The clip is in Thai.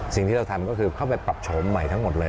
สิ่งที่เราทำก็คือเข้าไปปรับโฉมใหม่ทั้งหมดเลย